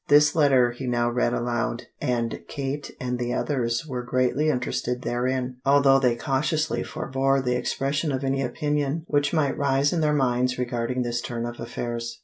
This letter he now read aloud, and Kate and the others were greatly interested therein, although they cautiously forbore the expression of any opinion which might rise in their minds regarding this turn of affairs.